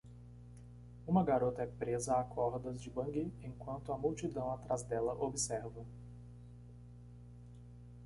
Uma garota é presa a cordas de bungee enquanto a multidão atrás dela observa.